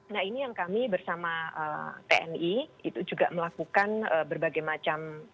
nah ini yang kami bersama tni itu juga melakukan berbagai macam aktivitas untuk meminimalisir